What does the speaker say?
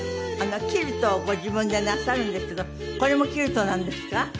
キルトをご自分でなさるんですけどこれもキルトなんですか？